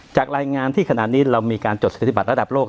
จากรายงานที่ขณะนี้เรามีการจดสถิติบัตระดับโลก